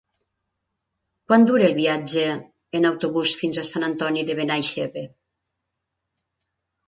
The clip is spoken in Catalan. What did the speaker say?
Quant dura el viatge en autobús fins a Sant Antoni de Benaixeve?